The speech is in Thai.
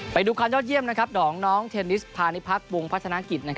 ไปดูความยอดเยี่ยมของน้องเทนนิสพาณิพักษ์วงพัฒนากิจ